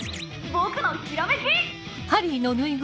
僕のひらめき。